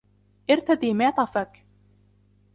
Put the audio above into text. ارتدي معطفك.